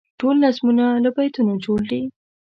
ټول نظمونه له بیتونو جوړ دي.